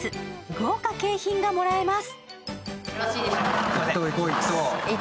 豪華景品がもらえます。